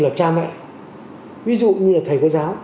là cha mẹ ví dụ như là thầy cô giáo